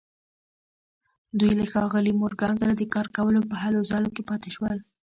دوی له ښاغلي مورګان سره د کار کولو په هلو ځلو کې پاتې شول